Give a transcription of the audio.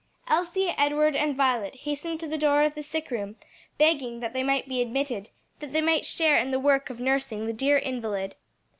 Elsie, Edward and Violet hastened to the door of the sick room, begging that they might be admitted, that they might share in the work of nursing the dear invalid.